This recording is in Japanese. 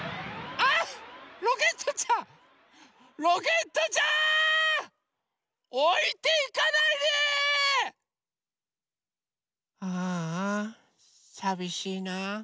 ああさびしいな。